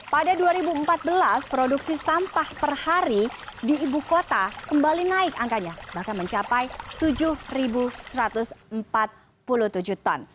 pada dua ribu empat belas produksi sampah per hari di ibu kota kembali naik angkanya bahkan mencapai tujuh satu ratus empat puluh tujuh ton